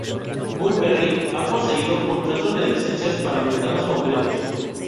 Burberry ha poseído contratos de licencias para mercados concretos.